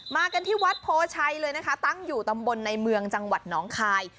กันที่วัดโพชัยเลยนะคะตั้งอยู่ตำบลในเมืองจังหวัดน้องคาย